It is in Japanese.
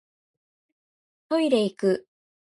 トイレいく